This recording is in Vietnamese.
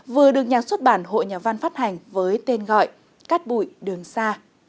vừa được nhà xuất bản hội nhà văn phát hành với tên gọi cát bụi đường xa